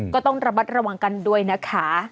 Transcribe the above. ก็ต้องระมัดระวังกันด้วยนะคะ